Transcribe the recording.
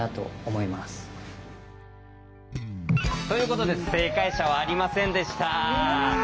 ということで正解者はありませんでした。